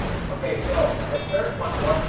Daryodan esayotgan yoqimli shabada